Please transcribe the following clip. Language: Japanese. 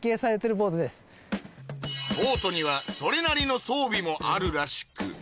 ボートにはそれなりの装備もあるらしく